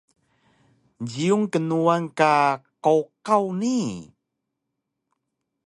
Jiyun knuwan ka qowqaw nii?